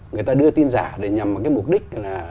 người ta đưa tin giả để nhằm vào cái mục đích là